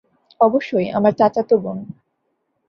অবশ্যই, আমার চাচাতো বোন।